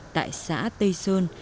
tại xã tây sơn